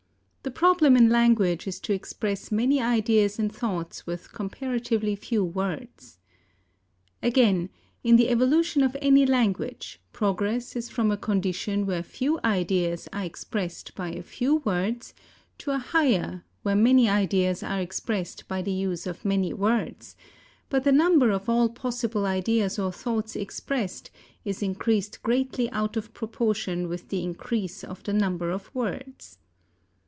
The problem in language is to express many ideas and thoughts with comparatively few words. Again, in the evolution of any language, progress is from a condition where few ideas are expressed by a few words to a higher, where many ideas are expressed by the use of many words; but the number of all possible ideas or thoughts expressed is increased greatly out of proportion with the increase of the number of words.